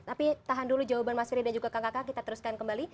tapi tahan dulu jawaban mas ferry dan juga kakak kakak kita teruskan kembali